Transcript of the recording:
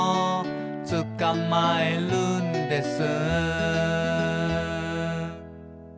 「つかまえるんです」